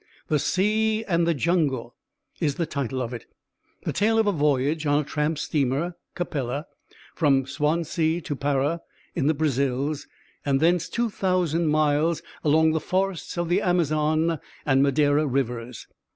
"The Sea and the Jungle" is the title of it, the tale of a voyage on the tramp steamer Capella, from Swansea to Para in the Brazils, and thence 2,000 miles along the forests of the Amazon and Madeira rivers.